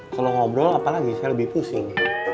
kalau ngobrol apalagi saya lebih pusing